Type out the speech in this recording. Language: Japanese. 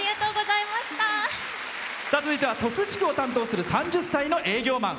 続いては鳥栖地区を担当する３０歳の営業マン。